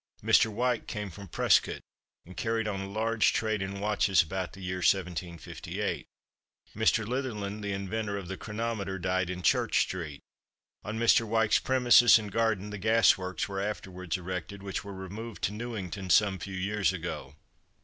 Mr. Wyke came from Prescot, and carried on a large trade in watches about the year 1758. Mr. Litherland, the inventor of the chronometer, died in Church street. On Mr. Wyke's premises and garden the Gas Works were afterwards erected, which were removed to Newington some few years ago.